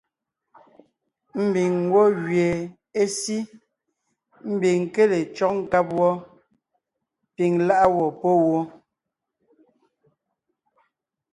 Ḿbiŋ ńgwɔ́ gẅie é sí, ḿbiŋ ńké le cÿɔ́g nkáb wɔ́, piŋ lá’a gwɔ̂ pɔ́ wó.